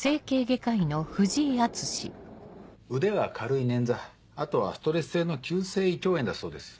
腕は軽い捻挫あとはストレス性の急性胃腸炎だそうです。